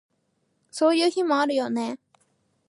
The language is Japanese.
そういう日もあるよね